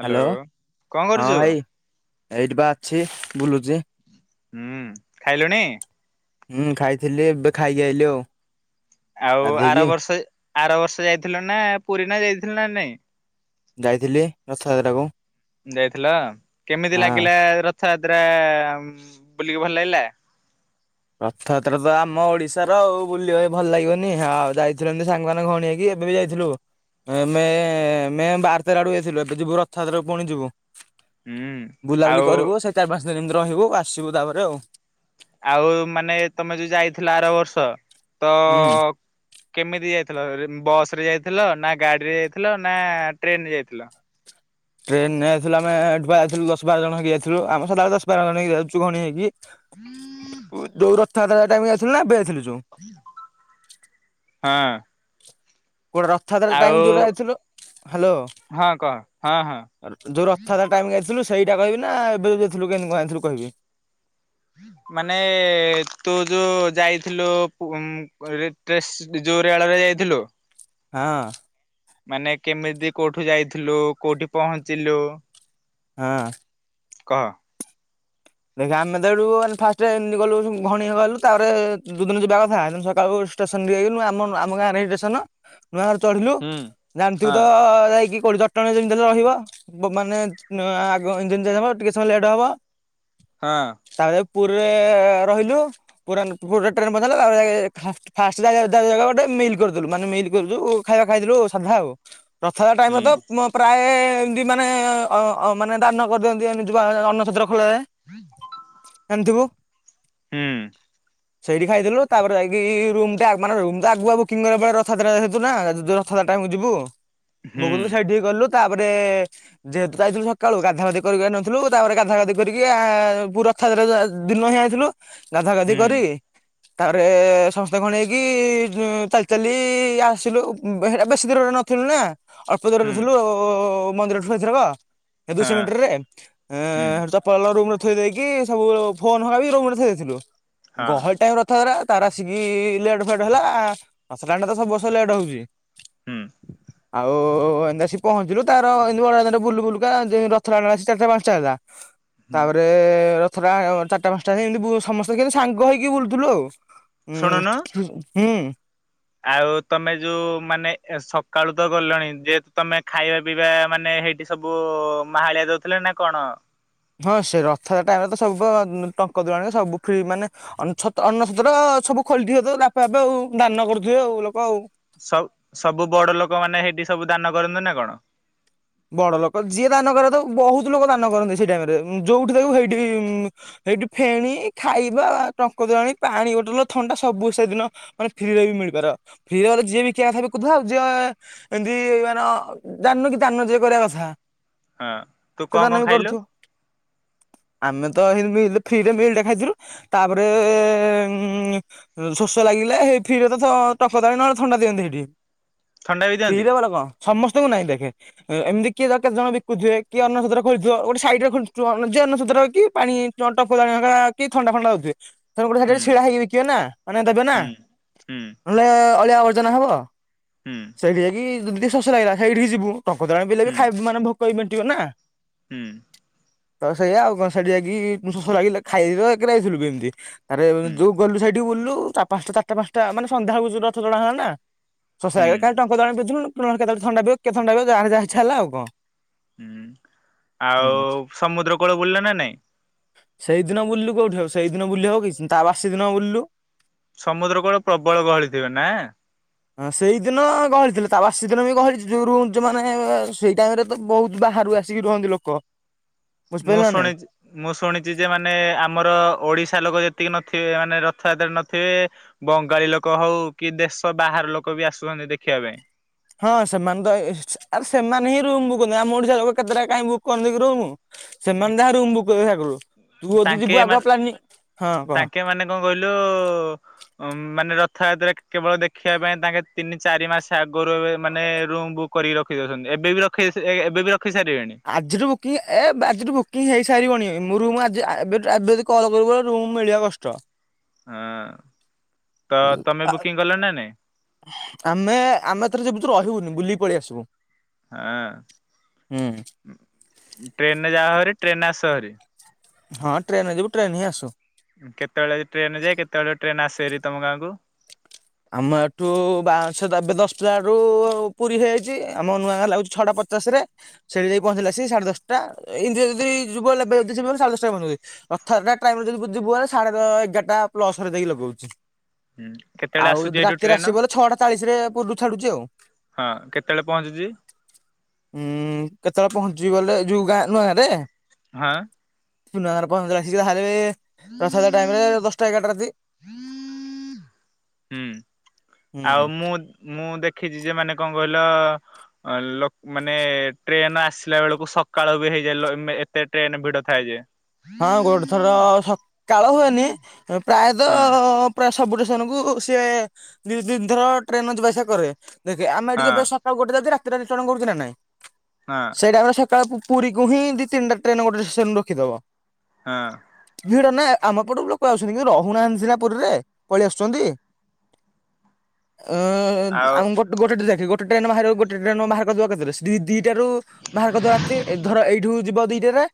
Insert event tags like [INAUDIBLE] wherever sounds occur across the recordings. Hello hello କଣ ହଁ କରୁଛୁ? ଭାଇ ଏଇଠି ପା ଅଛି ବୁଲୁଛି। ହୁଁ ଖାଇଲୁଣି? ହୁଁ ଖାଇଥିଲି ଏବେ ଖାଇକି ଆଇଲି ଆଉ। ଆଉ ଆର ଗାଧେଇକି ବର୍ଷ ଆର ବର୍ଷ ଯାଇଥିଲୁ ନା ପୁରୀ ନା ଯାଇଥିଲ ନା ନାଇଁ? ଯାଇଥିଲି ରଥଯାତ୍ରାକୁ ଯାଇଥିଲା କେମିତି ହଁ ଲାଗିଲା ର ଥ ଯାତ୍ରା ଉଁ ବୁଲିକି ଭଲ ଲାଗିଲା। ରଥଯାତ୍ରା ତ ଆମ ଓଡିଶାର ଆଉ ବୁଲିବା ପାଇଁ ଭଲ ଲାଗିବନି ଆଉ ଯାଇଥିଲୁ ଏମିତି ସାଙ୍ଗମାନେ ଘଉଣୀ ହେଇକି। ଏବେ ବି ଯାଇଥିଲୁ ଏ ମେ ମେ ବାର ତେର ଆଡକୁ ଯାଇଥିଲୁ ଏବେ ଯିବୁ ରଥଯାତ୍ରା କୁ ପୁଣି ଯିବୁ। ହୁଁ ବୁଲାବୁଲି ଆଉ କରିବୁ ସେ ଚାରି ପାଞ୍ଚ ଦିନ ଏମିତି ରହିବୁ ଆସିବୁ ତାପରେ ଆଉ। ଆଉ ମାନେ ତମେ ଯୋଉ ଯାଇଥିଲ ଆର ବର୍ଷ ତ। ହୁଁ କେମିତି ଯାଇଥିଲ ଅର ବସ ରେ ଯାଇଥିଲ ନା ଗାଡିରେ ଯାଇଥିଲ ନା ଟ୍ରେନ ରେ ଯାଇଥିଲ? ଟ୍ରେନ ରେ ଯାଇଥିଲୁ ଆମେ ଏଠୁ ପା ଯାଇଥିଲୁ ଦଶ ବାର ଜଣ ହେଇକି ଯାଇଥିଲୁ ଆମେ ସଦାବେଳେ ଦଶ ବାର ଜଣହେଇକି ଯାଉଛୁ ଘଣି ହେଇକି। ଉ ଯୋଉ ରଥଯାତ୍ରା ଟାଇମ ଯାଇଥିଲୁ ନା ଏବେ ଯାଇଥିଲୁ? ଯୋଉ ହଁ। କୋଉଟା ରଥଯାତ୍ରା ଆଉ ଟାଇମ ଯୋଉଟା ଯାଇଥିଲୁ ହାଲୋ। ହଁ କହ ହଁ ହଁ। ଅ ଯଉ ରଥଯାତ୍ରା ଟାଇମ ଯାଇଥିଲୁ ସେଇଟା କହିବି ନା ଏବେ ଯଉ ଯାଇଥିଲୁ କେମିତି କଣ ଯାଇଥିଲୁ କହିବି। ମାନେ ତୁ ଯୋଉ ଯାଇଥିଲୁ ପୁ ଉଁ କ ରେ ଟେସ ଯ ରେଳ ରେ ଯାଇଥିଲୁ। ହଁ। ମାନେ କେମିତି କୋଉଠୁ ଯାଇଥିଲୁ କୋଉଠି ପହଞ୍ଚିଲୁ। ହଁ। କହ। ଦେଖେ ଆମେ ତ ଏଠୁ ମାନେ ଫାଷ୍ଟରେ ଏମିତି ଗଲୁ ଘଣିଏ ଗଲୁ ତାପରେ ଯଉ ଦିନ ଯିବା କଥା ସେ ଦିନ ସକାଳୁ ଷ୍ଟେସନ ଏଇ ନୂଆ ଆମ ଆମ ଗାଁରେ ହିଁ ଷ୍ଟେସନ ନୂଆ ଗାଁରେ ଚଢିଲୁ ହୁଁ। ଜାଣିଥିବୁ ହଁ ତ ଯାଇକି। କଉଠି ଜଟଣୀରେ ଯେମିତି ହେଲେ ରହିବ ବୁ ମାନେ ନ ଆ-ଆଗ ଇଞ୍ଜିନ ଚେଞ୍ଜ ହବ ଟିକେ ସମୟ ଲେଟ ହବ। ହଁ। ତାପରେ ପୁରୀରେ ରହିଲୁ ପୁରୀ ପୁରୀରେ ଟ୍ରେନ ପଞ୍ଚାରିଲା ଫାଷ୍ଟ ଜା ଗୋଟେ ମିଲ୍ କରିଦେଲୁ ମାନେ ମିଲ କରୁଛୁ ଖାଇବା ଖାଇଦେଲୁ ସାଧା ଆଉ ରଥଯାତ୍ରା ଟାଇମରେ ହୁଁ ତ ମ ପ୍ରାୟେ ମାନେ ଅ ମାନେ ଦାନ କରିଦିଅନ୍ତି ଏମିତି ଅନ୍ନ ଛତ୍ର ଖୋଲାଯାଏ। ଜାଣିଥିବୁ। ହୁଁ। ସେଇଠି ଖାଇଥିଲୁ ତାପରେ ଯାଇକି ରୁମ୍ ଟେ ମାନେ ରୁମ ଟା ଆଗୁଆ ବୁକିଙ୍ଗ କରିବାକୁ ପଡିବ ରଥଯାତ୍ରା ଯେହେତୁନା ଯଦି ରଥଯା ଯିବୁ ହୁଁ [UNINTELLIGIBLE] ତାପରେ ଯେହେତୁ ଯାଇଥିଲୁ ସକାଳୁ ଗାଧା ଗଧି କରିପାରି ନଥିଲୁ ତାପରେ ଗାଧା ଗାଧି କରି କି ଆ ରଥଯାତ୍ରା ଦିନହିଁ ଯାଇଥିଲୁ ଗାଧା ଗାଧି ହୁଁ କରି ତାପରେ ସମସ୍ତେ କଣ ହେଇକି ଚାଲି ଚାଲି ଆସିଲୁ ହେରା ବେଶୀ ଦୂରରେ ନଥିଲୁ ନା ଅଳ୍ପ ହୁଁ ଦୂରରେଥିଲୁ ମନ୍ଦିର ଠୁ ଏଇଥରକ ଦୁଇଶ ହଁ ମିଟର ରେ ଏଁ ହୁଁ ହେଇଠୁ ତ ରୁମରେ ଥୋଇ ଦେଇକି ସବୁ ଫୋନ ହକାବି ରୁମ ରେ ଥୋଇ ଦେଇଥିଲୁ ହଁ ଗହଳି ଟାଇମ ରଥଯାତ୍ରା ତାର ଆସିକି ଲେଟ୍ ଫେଟ୍ ହେଲା ଆସିଲାଣ୍ଡେ ତ ସବୁ ବସ ଲେଟ୍ ହଉଛି। ହୁଁ। ଆଉ ଏମିତି ଆସି ପହଞ୍ଚିଲୁ ତାର ଏମିତିଡ ବୁଲୁ ବୁଲୁକା ରଥ ଲାଣ ଚାରିଟା ପାଞ୍ଚଟା ହେଲା। ହୁଁ ତାପରେ ରଥଟା ଚାରିଟା ପାଞ୍ଚଟା ଯ ଏମିତି ସମସ୍ତେ କେମତି ସାଙ୍ଗ ହେଇକି ବୁଲୁଥିଲୁ ଆଉ। ଶୁଣୁନୁ ହୁଁ ହୁଁ। ଆଉ ତମେ ଯୋଉ ମାନେ ସକାଳୁ ତ ଗଲଣି ଯେହେତୁ ତମେ ଖାଇବା ପିଇବା ମାନେ ହେଇଠି ସବୁ ମାହାଳିଆ ଦଉଥିଲେ ନା କଣ? ହଁ ସେ ରଥଯାତ୍ରା ଟାଇମରେ ତ ସବୁ ଟଙ୍କ ତୁରାଣୀ ସବୁ ଫ୍ରି ମାନେ ଅର୍ଣ୍ଣ ଛତ୍ର ତ ସବୁ ଖୋଲିଥିବ ତ ବାପେ ବାପେ ଆଉ ଦାନ କରୁଥିବେ ଆଉ ଲୋକ ଆଉ ସ ସବୁ ବଡ ଲୋକ ମାନେ ସହେଇଠି ସବୁ ଦାନ କରନ୍ତି ନା କଣ? ବଡ ଲୋକ ଯିଏ ଦାନ କଥାଉ ବହୁତ ଲୋକ ଦାନ କରନ୍ତି ସେଇ ଟାଇମରେ ଯୋଉଠି ଦେଖ ହେଇଠି ହେଇଠି ଫେଣି ଖାଇବା ଟଙ୍କ ତୋରାଣି ପାଣି ବୋଟଲ ଥଣ୍ଡା ସବୁ ସେଦିନ ମାନେ ଫ୍ରିରେ ବି ମିଳେ ପିବାର ଫ୍ରିରେ ଯିଏ ବିକିବା କଥା ବିକୁ ଥାଉ ଆଉ ଯିଏ ଏମତି ମାନ ଜାଣିନୁ କି ଦାନ ଯିଏ କରିବା କଥା ହଁ ତୁ ସେ କଣ କଣ ଦାନ ବି ଖାଇଲୁ କରୁଥିବ ଆମେ ତ ହିନ୍ତି ମିଲ ଫ୍ରିରେ ମିଲ ଟେ ଖାଇଥିଲୁ ତାପରେ ଏ ଏ ଇଁ ଶୋଷ ଲାଗିଲା ଫ୍ରିରେ ତ ଟଙ୍କ ତୋରାଣି ନହେଲେ ଥଣ୍ଡା ଦିଅନ୍ତି ହେଠି। ଥଣ୍ଡା ବି ଦିଅନ୍ତି? ଫ୍ରିରେ ବାଲା କଣ ସମସ୍ତଙ୍କୁ ନାଇଁ ଦେଖେ ଏମିତି କିଏ କେତେ ଜଣ ବିକୁଥିବ କିଏ ଅନ୍ନଛତ୍ର ଖୋଲିଥିବ ଗୋଟେ ସାଇଡରେ ଖୋଲିଥିବ ଅନ୍ନଛତ୍ର କି ପାଣି ଜଣ୍ଟ ଫୋଲାଣି କି ଥଣ୍ଡା ଫଣ୍ଡା ହଉଥିବେ ସେ ଗୋଟେ ସେରେ ହୁଁ ଛିଡା ହେଇକିିବେ ନା ମାନେ ଦେବେ ନା ହୁଁ ହୁଁ ନହେଲେ ଅଳିଆ ଆବର୍ଜନ ହବ ହୁଁ ସେଇଠି ଯାଇକି ଯଦି ଟିକେ ଶୋଷ ଲାଗିଲା ସେଇଠିକି ଯିବୁ ଟଙ୍କତୋରାଣି ପିଇଲେବି ହୁଁ ଖାଇ ମାନେ ଭୋକ ବି ମେଣ୍ଟିବ ନା। ହୁଁ। ତ ସେଇୟା ଆଉ କଣ ସେଠି ଯାଇକି ଶୋଷ ଲାଗିଲେ ଖାଇବାକୁ ଯାଇଥିଲୁ କେମିତି। ଆରେ ହୁଁ ଯଉ ଗଲୁ ସେଇଠି ବୁଲିଲୁ ପାଞ୍ଚଟା ଚାରଟା ପାଞ୍ଚଟା ମେ ସନ୍ଧ୍ୟା ହକୁ ଯ ରଥ ଟଣା ହେଲା ନା ଶୋଷ ହୁଁ। ଲାଗିଲା ଖାଲି ଟଙ୍କ ତୋରାଣି ପିଉଥିଲୁ କେତେବେଳେ ଥଣ୍ଡା ପିଉ କିଏ ଥଣ୍ଡା ପିଉ ଜାର ଯାହା ଇଚ୍ଛା ହେଲା ଆଉ ହୁଁ ହୁଁ। ଆଉ ସମୁଦ୍ର କୂଳ ବୁଲିଲେ ନା ନାଇଁ? ସେଇଦିନ ବୁଲିଲୁ କୋଉଠି ହଉ ସେଇଦିନ ବୁଲି ହବ କି ତା ବାଷି ଦିନ ବୁଲିଲୁ। ସମୁଦ୍ର କୂଳ ପ୍ରବଳ ଗହଳି ଥିବେ ନା? ହଁ ସେଇ ଦିନ ଗହଳି ଥିଲେ ତା ବାଷ ଦିନ ବି ଗହଳି ଯଉ ରୁହ ମାନେ ସେଇ ଟାଇମ ରେ ତ ବହୁତ ବାହାରୁ ଆସିକି ରୁହନ୍ତି। ଲୋକ ମୁଁ ବୁଝିପାରିଲ ନା ନାଇଁ। ଶୁଣିଛି ମୁଁ ଶୁଣିଛି ଯେ ମାନେ ଆମର ଓଡିଶ ର ଲୋକ ଯେତିକି ନଥିବେ ମାନେ ରଥଯାତ୍ରା ନଥିବେ ବଙ୍ଗାଳୀ ଲୋକ ହଉ କି ଦେଶ ବାହାର ଲୋକ ବି ଆସୁଛନ୍ତି ଦେଖିବା ପାଇଁ। ହଁ ସେମାନେ ତ ଏଇ ଆରେ ସେମାନେ ହିଁ ରୁମ ବୁକ୍ କରନ୍ତି ଆମ ଓଡିଶା ଲୋକ କେତେଟା କାଁଇ ବୁକ୍ କରନ୍ତି ରୁମ? ସେମାନେ ଯାହା ରୁମ ବୁକ୍ କରିବେ ଆଗରୁ ତୁ ଯଦି ଯିବୁ ତାଙ୍କେ ଆଗୁଆ ମାନେ ପ୍ଲାନିଂ ହଁ କହ। ତାଙ୍କେ ମାନେ କଣ କହିଲୁ ମାନେ ର ରଥାଯାତରେ କେବଳ ଦେଖିବା ପାଇଁ ତାଙ୍କେ ତିନି ଚାରି ମାସ ଆଗରୁ ଏବେ ମାନେ ରୁମ୍ ବୁକ୍ କରିକି ରଖି ଦେଉଛନ୍ତି। ଏବେ ବି ରଖେଇ ଥିବେ ଏ-ଏବେ ବି ର ଆଜିର ବୁକିଂ ଏ ଆଜିଠୁ ବୁକିଂ ହେଇସାରିବନି ମୁଁ ରୁମ୍ ଏବେ ଏବେ ଯଦି କଲ୍ କରିବୁ ରୁମ ମିଳିବା କଷ୍ଟ। ହଁ। ତ ତମେ ବୁକିଂ କଲ ନା ନାଇଁ ଆ-ଆମେ ଆମେ ଥରେ ଯେ [UNINTELLIGIBLE] ରହିବୁନି ବୁଲୀ ପଳେଇ ଆସିବୁ। ହୁଁ ହଁ ଟ୍ରେନରେ ଯାହା ହରି ଟ୍ରେନରେ ଆସ ହରି। ହଁ ଟ୍ରେନ ଯିବୁ ଟ୍ରେନ୍ ହିଁ ଆସୁ। କେତେବେଳେ ଟ୍ରେନ ଯାଏ କେତେବେଳେ ଟ୍ରେନ ଆସେହେରି ତମ ଗାଁକୁ? ଆମ ଏଠୁ ବାଁଶ ତ ଏବେ ଦଶଟାୁ ପୁରୀ ହେଇଯାଇଛି ଆମ ନୂଆଖ ଲାଗୁଛି ଛଟା ପଚା ପଚାଶରେ ସେଠି ଯାଇ ପହଞ୍ଚିଲା ଅସି ସାଢେ ଦଶଟା ଇନ୍ଦି ଯଦି ଯୁଗ ସାଢ଼େ। [INAUDIBLE] ରଥଯାତ୍ରା ଟାଇମରେ ଯଦି ତୁ ଯିବୁ ହେଲେ ସାଢେ ଦଶ ଏଗାରଟା ପ୍ଲସରେ ଯାଇକି ଲଗଉଛି। ହୁଁ। କେତେବେଳେ ଆଉ ଆସୁଛି ଯଦି ଏଇଠୁ ରାତିରେ ଟ୍ରେନ ଆସିବୁ ହେଲେ ଛଅଟା ଚାଳିଶରେ ପୂର୍ବରୁ ଛାଡୁଛି ଆଉ। ହଁ କେତେବେଳେ ପହଞ୍ଚୁଛି ହୁଁ କେତେବେଳେ ପହଞ୍ଚିବ ବଲେ ଯୋଉ ଗାଁ ନୂଆଁ ଗାଁରେ? ହଁ। ପୁରେ ପହଞ୍ଚସି ତାହେଲେ ରଥଯାତ୍ରା ଟାଇମ ରେ [UNINTELLIGIBLE] ଏଗାର ଟା ରାତି। ହୁଁ। ହୁଁ। ଆଉ ମୁଁ ମୁଁ ଦେଖିଛି ଯେ ସେ ମାନେ କଣ କହିଲ? ଲ ମାନେ ଟ୍ରେନ ଆସିଲା ବେଳକୁ ସକାଳୁ ବି ହେଇଯାଏ ଲୋ ଏତେ ଟ୍ରେନ ଭିଡ ଥାଏ ଯେ। ହଁ ଗୋଟେ ଥର ସକାଳ ହୁଏନି ପ୍ରାୟତଃ ହଁ ପୁରା ସବୁ ଷ୍ଟେସନକୁ ସିଏ ଦି ଦିନଥର ଟ୍ରେନ ଯିବା ଆସିବା କରେ। ଦେଖେ ଆମେ ହଁ ଟିକେ ଏବେ ସକାଳୁ ଗୋଟେ ରାତି ରାତିରେ ନିର୍ଚଳନ ହୋଉଛି ନା ନାଇଁ? ହଁ ସେଇଟା ଆମେ ସକାଳୁକୁ ପୁରି କୁ ହିଁ ଦି ତିନଟା ଟ୍ରେନ ଗୋଟେ ଷ୍ଟେସନରୁ ରଖିଦବ। ହଁ। ଭିଡ ନା ଆମ ପଟକୁ ଲୋକ ଆସଛନ୍ତି କି ରହୁ ନାହାନ୍ତି ପୁରିରେ, ପଳେଇ ଆସୁଛନ୍ତି। ଆଃ ଆଉ ଆମ ଗୋଟେ ଗୋଟେ ଦେଖ [INAUDIBLE] ଗୋଟ ଟ୍ରେନ ବାହାରିବ ଗୋଟେ ଟ୍ରେନ ବାହାର କରିଦବା କେତେରେ ଦି-ଦିଟା ରୁ ବାହାର କରିଦବା ରାତି ଧର ଏଇଠୁ ଯିବ ଦିଟାରେ।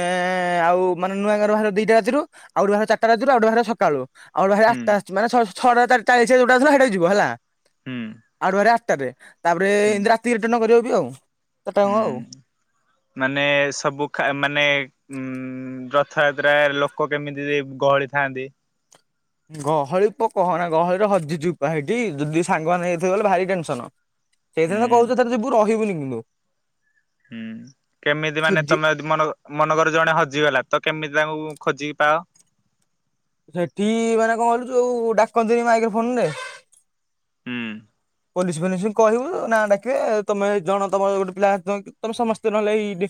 ଏଁ ଆଉ ମାନେ ନୂଆ ଗର ବାହାରିବ ଦିଟା ରାତିରୁ ଆଉ ବାହାରିବ ଚାରିଟା ରାତିରୁ ଆଉେ ବାହାରିବ ସକାଳୁ। ଆଉ ବାହାରିବା ହୁଁ ଆଠଟା ଆସଛି ମାନେ ଛଅ-ଛଅଟା ଚା-ଚାଳିଶ ଯୋଉଟା ଆଉଥିଲା ହେଇଟା ଯିବ ହେଲା ହୁଁ ଆଉ ଗୋଟେ ବାହାରିବ ଆଠ ତାପରେ ହୁଁ ଏ ରାତି ରିଟର୍ଣ୍ଣ କରିବ ବି ଆଉ। ଚାରିଟା ଯାକ ହୁଁ ଆଉ। ମାନେ ସବୁ କା ମାନେ ଉଁ ଉଁ ରଥଯାତ୍ରା ଲୋକ କେମିତି ଗହଳି ଥାନ୍ତି? ଗହଳି ପ କହନା ଗହଳିର ହଜିଯିବୁପା ହେଇଠି ଯଦି ସାଙ୍ଗମାନେ ହେଇଥିବ ବଲେ ଭାରି ଟେନସନ। ସେଇଥିନ ତ କହୁଛ ହୁଁ ତ ଥରେ ଯିବୁ ରହିବୁନି କିନ୍ତୁ ହୁଁ କେମିତି ମାନେ ତମେ ଯଦି ମନ ମନଗର ଜଣେ ହଜିଗଲା ତ କେମିତି ତାଙ୍କୁ ଖୋଜିକି ପାଅ। ସେଠି ମାନେ କଣ କହିଲୁ ଯୋଉ ଡାକନ୍ତିନି ମାଇକ ଫୋନରେ ହୁଁ ପୋଲିସ ଫୋଲିିସ କହିବୁ ନାଁ ଡାକିବେ ତମେ ଜଣ ତମର ଗୋଟେ ପିଲା ତମେ ସମସ୍ତେ ନହେଲେ ଏଇ ଡି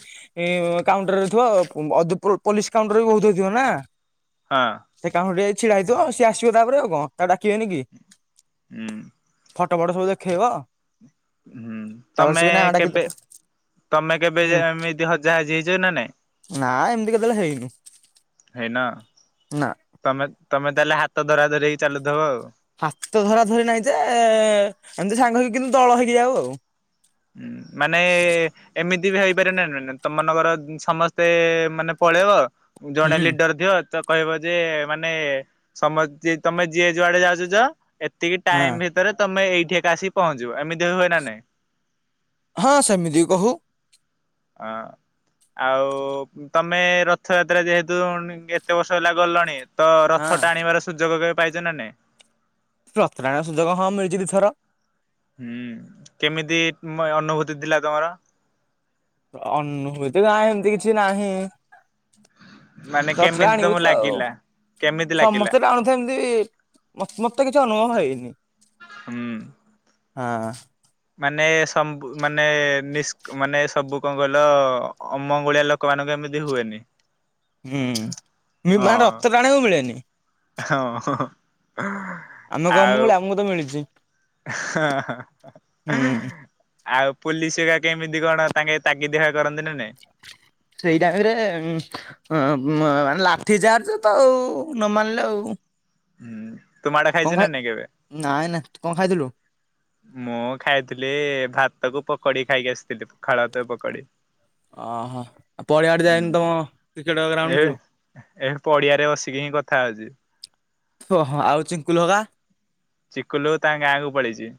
କାଉଣ୍ଟରରେ ଥିବ [UNINTELLIGIBLE] ପୋଲିସ କାଉଣ୍ଟର ବି ବହୁତ ହେଇଥିବନା। ହଁ ସେ କାଉଁ ଟେ ଛିଡା ହେଇଥିବ ଆଉ ସିଏ ଆସିବ ତାପରେ ଆଉ କଣ ତାକୁ ଡାକିବେନି କି? ହୁଁ। ଫଟ ଫଟ ସବୁ ଦେଖେଇବ। ହୁଁ ତାପରେ ତମେ ସେ ବି ନାଁ ଡାକିଲେ କେବେ? ତମେ କେବେ ହୁଁ ଯେ ଏମିତି ହଜା ହାଜି ହେଇଚ ନା ନାଇଁ? ନା ଏମିତି କେତେବେଳେ ହେଇନି ହେଇନ ନା। ତମେ ତମେ ତାହେଲେ ହାତ ଧରା ଧରି ହେଇ ଚାଲୁଥିବ ଆଉ? ହାତ ଧରା ଧରି ନାହିଁ ଯେ ଏମିତି ସାଙ୍ଗ କିନ୍ତୁ ଦଳ ହେଇକି ଯାଉ ଆଉ। ହଁ ମାନେ ଏମିତି ବି ହେଇପାରେ ନା ନା ନା ତମ ମାନଙ୍କର ସମସ୍ତେ ମାନେ ପଳେଇବ ଜଣେ ହୁଁ। ଲିଡର ଦିଅ ତ କହିବ ଯେ ମାନେ ସମସ୍ତ ତମେ ଯିଏ ଯୁଆଡେ ଯାଉଛ ଯାଅ ଏତିକି ହଁ ଟାଇମ ଭିତରେ ତମେ ଏଇଠି ଏକା ଆସି ପହଞ୍ଚିବ, ଏମିତି ହୁଏ ନା ନାଇଁ? ହଁ ସେମିତିି କହୁ। ଆ ଆଉ ତମେ ରଥଯାତ୍ରା ଯେହେତୁ କେତେ ବର୍ଷ ହେଲା ଗଲଣି? ତ ହଁ। ରଥ ଟାଣିବାର ସୁଯୋଗ କେବେ ପାଇଛ ନା ନାଇଁ? ରଥ ଟାଣିବାର ସୁଯୋଗ ହଁ ମିଳିଛି ଦିଥର। ହୁଁ କେମିତି ଅନୁଭୂତି ଥିଲା ତମର? ଅନୁଭୂତି ନା ଏମିତି କିଛି ନାହିଁ। ମାନେ ରଥ କେମିତି ଟାଣିବୁ ତମକୁ ତଉ ଲାଗିଲା କେମିତି ଲାଗିଲା ସମସ୍ତେ ଟାଣୁ ଥାନ୍ତି। ମ-ମତେ କିଛି ଅନୁଭବ ହେଇନି। ହୁଁ। ହଁ। ମାନେ ସବୁ ମାନେ ନି ମାନେ ସବୁ କଣ କହିଲ ଅମଙ୍ଗୁଳିଆ ଲୋକମାନଙ୍କୁ ଏମିତି ହୁଏନି। ହୁଁ ନା ରଥ ଟାଣିବାକୁ ମିଳେନି। ହଁ ହଁ। ଆମେ କଣ ଅମଙ୍ଗୁଳିଆ ଆମକୁ ତ ମିଳିଛି। ହ ହ ହୁଁ। ଆଉ ପୋଲିସ କେମିତି କଣ ତାଙ୍କେ ତାଗିଦ୍ ହ ସେଇଟାଇମ ରେ ମ-ମ ଲାଠି ଚାର୍ଜ ତ ଆଉ ନ ମାନିଲେ ଆଉ। ହୁଁ ତୁ ମାଡ କଣ ଖାଇଛୁ ନା ଖାଇ ନାଇଁ କେବେ? ନାଇଁ ନାଇଁ ତୁ କଣ ଖାଇଥିଲୁ? ମୁଁ ଖାଇଥିଲି ଭାତ କୁ ପକୋଡି। ଖାଇକି ଆସିଥିଲି ପଖାଳ ଭାତ କୁ ପକୋଡି। ଓହୋ ପଡିଆଡେ ଯାଇନୁ ତମ କ୍ରିକେଟ ଗ୍ରାଉଣ୍ଡୁ ଯୋଉ ଏଠି ପଡିଆରେ ବସିକି ହିଁ କଥା ହଉଛି। ଓହୋ ଆଉ ଚିଙ୍କୁଲ ହଗା? ଚିକୁଲୁ ତାଙ୍କ ଗାଁକୁୁ ପଳେଇଛି।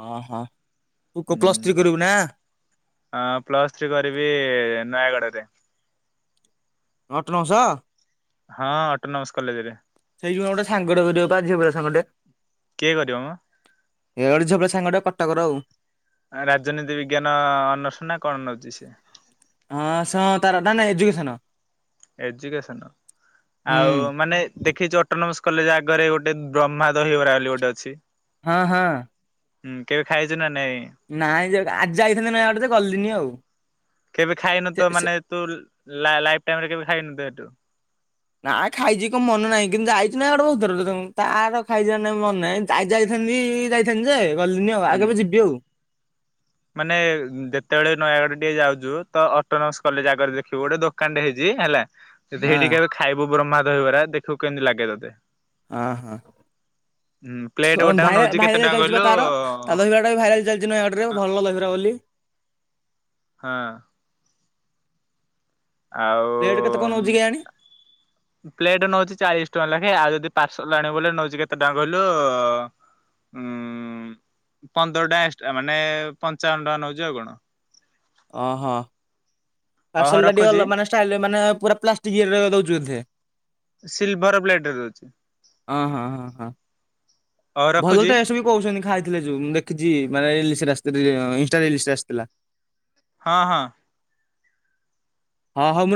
ଅହୋ ତୁ ପ୍ଲସ୍ ଥ୍ରୀ କରିବୁ ନା? ହଁ ପ୍ଲସ୍ ଥ୍ରୀ କରିବି ନୟାଗଡରେ। ଅଟୋନମସ? ହଁ ଅଟୋନମସ୍ କଲେଜରେ। ସେଇଠି ବା ଗୋଟେ ସାଙ୍ଗଟେ କରିବ ବା ଝିଅ ପିଲା ସାଙ୍ଗଟେ। କିଏ କରିବ ମ? ଏ ଗୋଟେ ଝିଅ ପିଲା ସାଙ୍ଗ ଟେ କଟକର ଆଉ। ରାଜନୀତି ବିଜ୍ଞାନ ଅନର୍ଷ ନା କଣ ନଉଚି ସେ? ଅନସ ତାର ନା ନା ଏଜୁକେସନ। ଏଜୁକେସନ ହୁଁ ଆଉ ମାନେ ଦେଖିଛ ଅଟୋନମସ କଲେଜ ଆଗରେ ଗୋଟେ ବ୍ରହ୍ମା ଦହିବରା ବୋଲି ଗୋଟେ ଅଛି। ହଁ। ହୁଁ କେବେ ଖାଇଛୁ ନାଁ? ନାଇଁ ଆଜି ଯାଇଥାନ୍ତେ ନୟାଗଡ଼ ଜେ ଗଲିନି ଆଉ। କେବେ ଖାଇନ ସେ ତ ସେ ମାନେ ତୁ ଲା-ଲାଇଫ ଟାଇମ ରେ କେବେ ଖାଇନୁ ତୁ ଏଠୁ? ନା ଖାଇଛି କଣ ମନ ନାହିଁ କିନ୍ତୁ [UNINTELLIGIBLE] ତାର ଖାଇଛି ନା ନାହିଁ ମନେ ନାହିଁ [UNINTELLIGIBLE] ଯାଇଥାନ୍ତି ଯେ ଗଲିନି ଆଉ ଆଉ ହୁଁ। କେବେ ଯିବି ଆଉ। ମାନେ ଯେତେବେଳେ ନୟାଗଡ଼ ଟିକେ ଯାଉଛୁ ତ ଅଟୋନମସ କଲେଜ ଆଗରେ ଦେଖିବୁ ଗୋଟେ ଦୋକାନଟେ ହେଇଛି ହେଲା ସେ ଆଉ ସେଇଠିକେବେ ଖାଇବୁ ବ୍ରହ୍ମା ଧହିବରା ଦେଖିବୁ କେମିତି ଲାଗେ ତତେ? ହଁ ହଁ। ହୁଁ ପ୍ଲେଟ ଭ ଗୋଟାକ ନଉଛି କେତେ ଭାଇରାଲ ଟଙ୍କା ଚାଲିଛି କହିଲୁ ତାର ତା ଦହିବାଟା ବି ଭାଇରାଲ ଚାଲିଛି ନୟାଗଡ଼ ଭଲ ଲାଗିଲା ବୋଲି। ହଁ। ଆଉ ପ୍ଲେଟ୍ କେତେ କଣ ନଉଛି କେଜାଣି ପ୍ଲେଟ ନଉଛି ଚାଳିଶ ଟଙ୍କା ଲେଖେ ଆଉ ଯଦି ପାର୍ସଲ ଆଣିବୁ ବୋଲେ ନେଉଛି କେତେ ଟଙ୍କା କହିଲୁ? ଉଁ ପନ୍ଦର ଟା ଏକ୍ସଟ୍ରା ମାନେ ପଞ୍ଚାବନ ଟଙ୍କା ନଉଛି ଆଉ କଣ? ଓହୋ। ଓହୋ ପାର୍ସଲ ଟା ରଖୁଛି ଟିକେଲ ମାନେଷ୍ଟାଇଲ ମାନେ ପୁରା ପ୍ଲାଷ୍ଟିକ ଇଏ ରେ ଦେଉଛି ବୋଧେ ସିଲଭର ବ୍ଲେଡର ଦଉଚି। ହଁ ହଁ ହଁ ହଁ ଭଲ ତ ଏସବ ବି କହୁଛନ୍ତି ଖାଇଥିଲେ ଯୋଉ ମୁଁ ଦେଖିଛି ମାଏଲିସ ସେଥିରେ ଇନଷ୍ଟା ରୀଲସ ରେ ଆସିଥିଲା। ହଁ ହଁ। ହଁ ମୁଁ